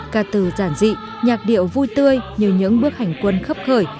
ca từ giản dị nhạc điệu vui tươi như những bước hành quân khắp khởi